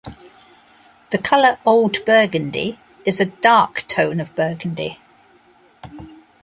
The color "old burgundy" is a dark tone of burgundy.